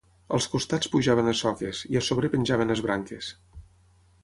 Als costats pujaven les soques, i a sobre penjaven les branques